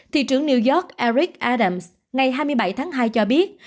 thị trưởng new york eric arams ngày hai mươi bảy tháng hai cho biết